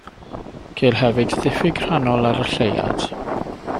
Ceir hefyd ddiffyg rhannol ar y lleuad.